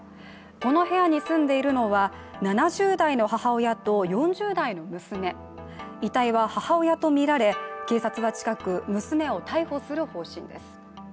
この部屋にすんでいるのは７０代の母親と４０代の娘、遺体は母親とみられ警察は近く娘を逮捕する方針です。